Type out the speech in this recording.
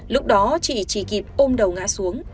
lúc đó chị chỉ kịp ôm đầu ngay